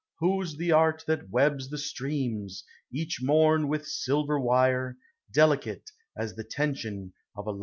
Whose the art That webs the streams, each i.mrii. with Bllver wire Delicate as the tension of a l.